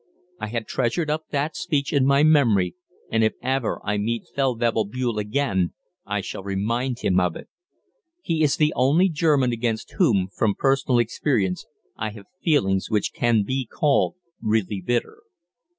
I have treasured up that speech in my memory, and, if ever I meet Feldwebel Bühl again, I shall remind him of it. He is the only German against whom, from personal experience, I have feelings which can be called really bitter.